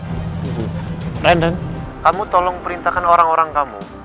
random kamu tolong perintahkan orang orang kamu